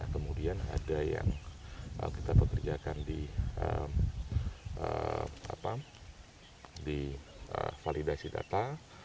kemudian ada yang kita pekerjakan di validasi data